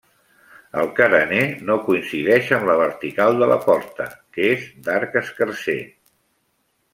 El carener no coincideix amb la vertical de la porta, que és d'arc escarser.